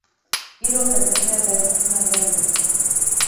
îro qedexeya derketina derve heye